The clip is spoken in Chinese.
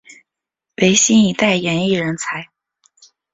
为新一代演艺人才。